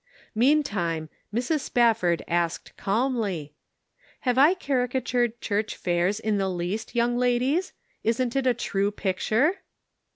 Meantime, Mrs. Spafford asked calmly; " Have I caricatured church fairs in the least, young ladies ? Isn't it a true picture